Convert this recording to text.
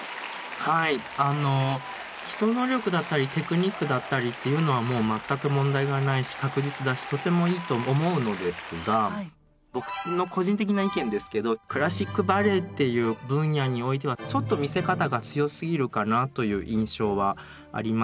はい基礎能力だったりテクニックだったりっていうのはもう全く問題がないし確実だしとてもいいと思うのですが僕の個人的な意見ですけどクラシックバレエっていう分野においてはちょっと見せ方が強すぎるかなという印象はありますね。